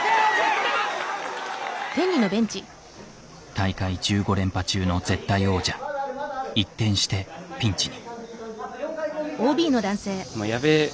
大会１５連覇中の絶対王者一転してピンチに。